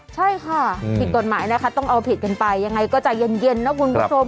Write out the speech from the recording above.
ใช่ค่ะผิดกฎหมายนะคะต้องเอาผิดกันไปยังไงก็ใจเย็นนะคุณผู้ชม